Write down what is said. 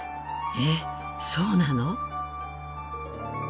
えっそうなの？